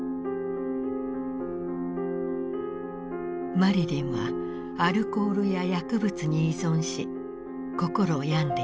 マリリンはアルコールや薬物に依存し心を病んでいった。